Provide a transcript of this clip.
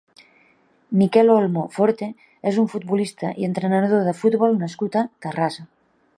Miquel Olmo Forte és un futbolista i entrenador de futbol nascut a Terrassa.